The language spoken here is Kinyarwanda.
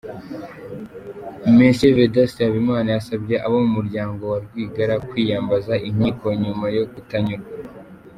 Me Vedaste Habimana yasabye abo mu muryango wa Rwigara kwiyambaza inkiko nyuma yo kutanyurwa.